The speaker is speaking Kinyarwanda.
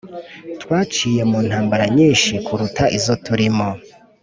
Twaciye mu ntambara nyinshi kuruta izo turimo